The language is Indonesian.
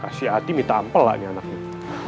kasih hati minta ampel lah ini anaknya